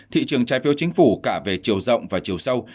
thị trường trái phiếu chính phủ cả về chiều rộng và chiều sâu